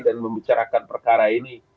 dan membicarakan perkara ini